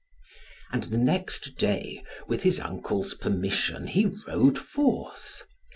And the next day, with his uncle's permission, he rode forth.